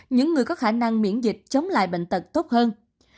những người có khả năng miễn dịch chống lại bệnh tật tốt hơn